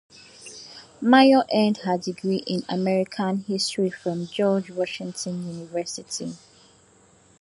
Mayo earned her degree in American History from George Washington University.